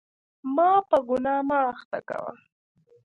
ما په ګناه مه اخته کوه.